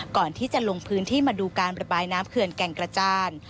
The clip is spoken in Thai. ก่อนที่จะลงพื้นที่มาดูการระบายน้ำเขื่อนแก่งกระจาน